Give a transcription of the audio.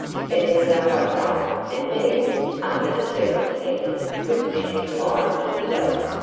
It was a hot night, and Deb, under the circumstances, was disinclined for sleep.